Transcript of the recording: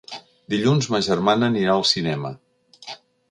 Dilluns ma germana anirà al cinema.